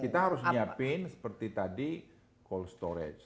kita harus menyiapkan seperti tadi cold storage